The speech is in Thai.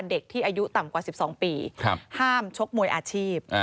เด็กที่อายุต่ำกว่า๑๒ปีห้ามชกมวยอาชีพ